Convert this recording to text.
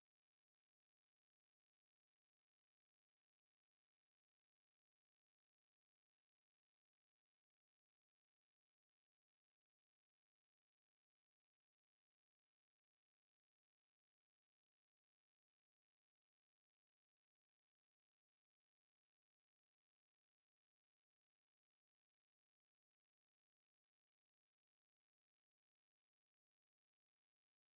โปรดติดตามตอนต่อไป